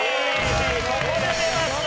ここで出ました。